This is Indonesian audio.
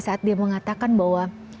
saat dia mengatakan bahwa